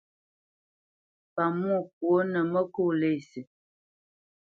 Pamwô kwô nǝ mǝkó lésî.